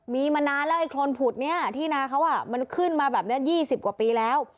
มีมานานแล้วไอโครนผุดนี้ที่นาเขามันขึ้นมาแบบนี้๒๐กว่าปีแล้ว